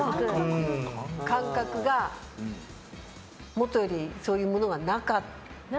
感覚が、もとよりそういうものがなかった。